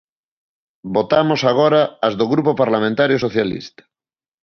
Votamos agora as do Grupo Parlamentario Socialista.